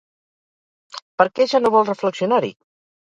Per què ja no vol reflexionar-hi?